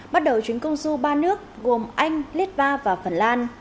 bắt đầu chuyến công du ba nước gồm anh litva và phần lan